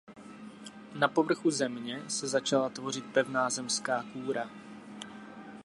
Na povrchu Země se začala tvořit pevná zemská kůra.